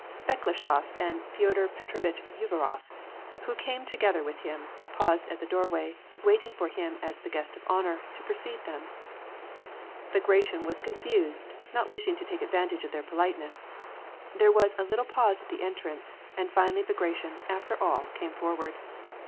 Bekleshof and Feodor Petrovitch Uvarof, who came to gether with him, paused at the doorway, waiting for him as the guest of honor, to precede them. Bagration was confused, not wishing to take advantage of their politeness ; there was a little pause at the entrance, and finally Bagration, after all, eame forward.